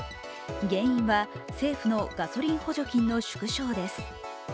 原因は政府のガソリン補助金の縮小です。